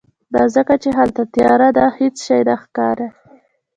دا ځکه چې هلته تیاره ده، هیڅ شی نه ښکاری